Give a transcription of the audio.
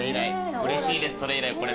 うれしいですそれ以来来れて。